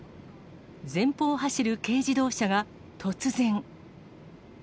前方を走る軽自動車が突然。